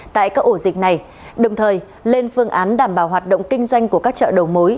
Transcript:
tại các ổ dịch này đồng thời lên phương án đảm bảo hoạt động kinh doanh của các chợ đầu mối